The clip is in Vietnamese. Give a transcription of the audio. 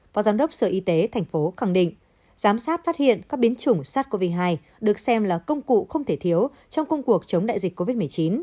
phó giám đốc sở y tế tp hcm khẳng định giám sát phát hiện các biến chủng sát covid một mươi chín được xem là công cụ không thể thiếu trong công cuộc chống đại dịch covid một mươi chín